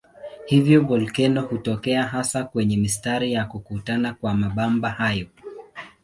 Hivyo volkeno hutokea hasa kwenye mistari ya kukutana kwa mabamba hayo.